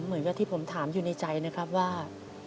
เหมือนกับที่ผมถามอยู่ในใจนะครับว่า